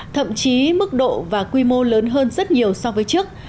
thậm chí mức độ và quy mô lớn hơn rất nhiều so với trước